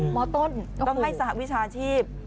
หมอต้นโอ้โฮโอ้โฮต้องให้สหวิชาชีพ